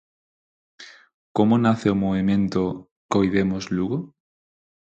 Como nace o movemento Coidemos Lugo?